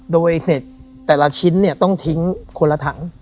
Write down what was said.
โดยเห็ดแต่ละชิ้นเนี่ยต้องทิ้งคนละถัง